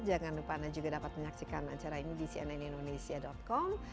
jangan lupa anda juga dapat menyaksikan acara ini di cnnindonesia com